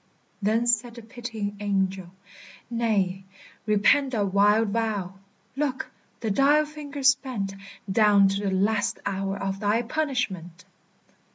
Then said the pitying angel, "Nay, repent That wild vow! Look, the dial finger's bent Down to the last hour of thy punishment!"